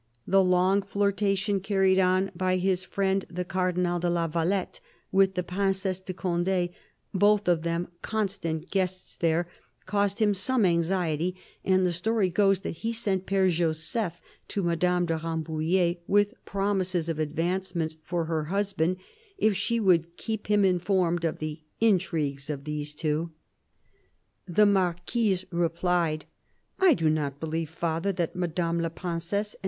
The long flirtation carried on by his friend the Cardinal de la Valette with the Princesse de Conde, both of them constant guests there, caused him some anxiety, and the story goes that he sent Pfere Joseph to Madame de Rambouillet with promises of advancement for her husband if she would keep him informed of the " intrigues " of these two. The Marquise replied : "I do not believe, Father, that Madame la Princesse and M.